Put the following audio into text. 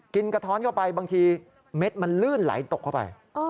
กระท้อนเข้าไปบางทีเม็ดมันลื่นไหลตกเข้าไป